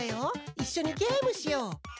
いっしょにゲームしよう！